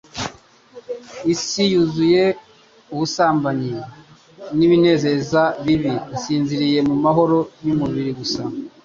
Isi yuzuye ubusambanyi n'ibinezeza bibi isinziriye mu mahoro y'umubiri gusa.